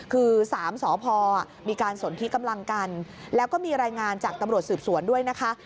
คือ๓สพมีการสนที่กำลังกันแล้วก็มีรายงานจากตำรวจสืบสวนด้วยนะคะ